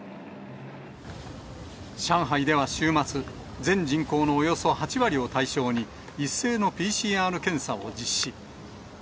上海では週末、全人口のおよそ８割を対象に、一斉のＰＣＲ検査を実施。